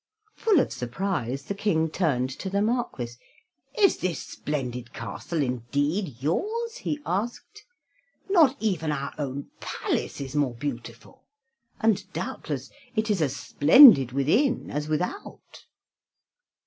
Full of surprise, the King turned to the Marquis. "Is this splendid castle indeed yours?" he asked. "Not even our own palace is more beautiful, and doubtless it is as splendid within as without."